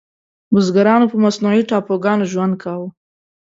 بزګرانو په مصنوعي ټاپوګانو ژوند کاوه.